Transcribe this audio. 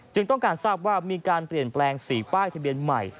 ต้องการทราบว่ามีการเปลี่ยนแปลง๔ป้ายทะเบียนใหม่